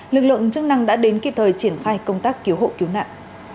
lực lượng chức năng đã đến kịp thời triển khai công tác cứu hộ cứu nạn